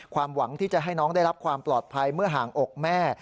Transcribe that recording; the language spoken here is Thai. หวังที่จะให้น้องได้รับความปลอดภัยเมื่อห่างอกแม่